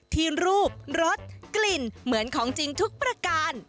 ที่รูปรสกลิ่นเหมือนของจริงทุกประการ